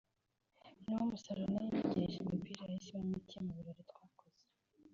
niwo musaruro nari ntegerejemo…imipira yahise iba mike mu birori twakoze